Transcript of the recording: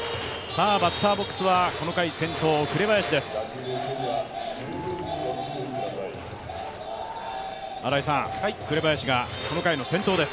バッターボックスはこの回先頭、紅林です。